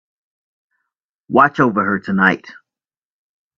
Watch over her tonight.